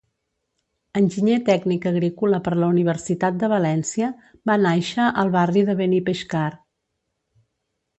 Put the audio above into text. Enginyer Tècnic Agrícola per la Universitat de València, va nàixer al barri de Benipeixcar.